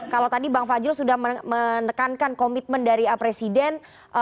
kalau tadi bang fajrul sudah menekankan komitmen dari presiden